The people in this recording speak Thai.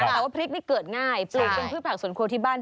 แต่ว่าพริกนี่เกิดง่ายปลูกเป็นพืชผักสวนครัวที่บ้าน